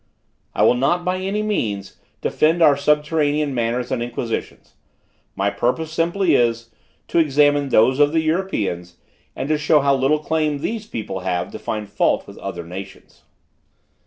"I will not, by any means, defend our subterranean manners and institutions: my purpose simply is, to examine those of the Europeans, and show how little claim these people have to find fault with other nations.